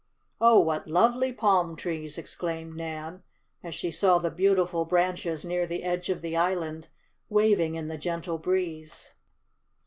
"Oh, what lovely palm trees!" exclaimed Nan, as she saw the beautiful branches near the edge of the island, waving in the gentle breeze.